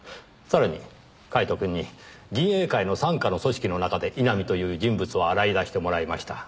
さらにカイトくんに銀英会の傘下の組織の中で井波という人物を洗い出してもらいました。